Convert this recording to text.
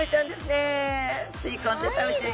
吸い込んで食べてる！